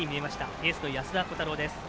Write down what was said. エースの安田虎汰郎です。